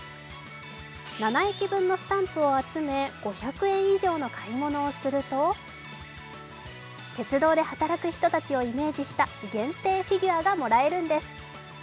７駅分のスタンプを集め５００円以上の買い物をすると鉄道で働く人たちをイメージした限定フィギュアがもらえるんです。